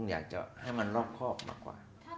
ถ้ามองของอาจารย์แล้วจะเป็นคนใกล้ตัวหรือเป็นคนในหว่าง